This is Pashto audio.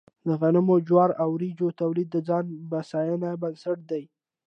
د غنمو، جوارو او وريجو تولید د ځان بسیاینې بنسټ دی.